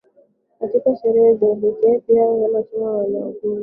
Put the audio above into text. katika sherehe za kipekee na pia kama chakula cha wagonjwa